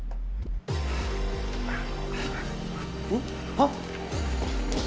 あっ！